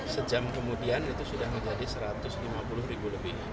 sejam kemudian itu sudah menjadi satu ratus lima puluh ribu lebih